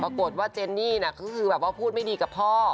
ปรากฏว่าเจนนี่น่ะก็คือแบบว่าพูดไม่ดีกับพ่อ